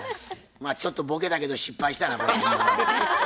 まあちょっとボケたけど失敗したな。